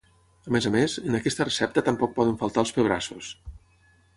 A més a més, en aquesta recepta tampoc poden faltar els pebrassos.